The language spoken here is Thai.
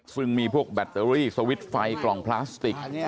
ซึ่งมีพวกแบตเตอรี่สวิตช์ไฟกล่องพลาสติก